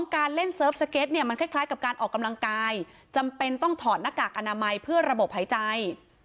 การเล่นเซิร์ฟสเก็ตเนี่ยมันคล้ายกับการออกกำลังกายจำเป็นต้องถอดหน้ากากอนามัยเพื่อระบบหายใจ